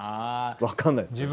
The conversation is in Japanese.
分かんないですけど。